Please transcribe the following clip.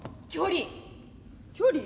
距離。